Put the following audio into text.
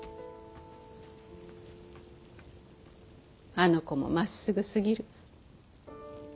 あの子もまっすぐすぎる。